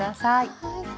はい。